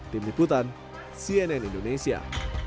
tim tiputan cnn indonesia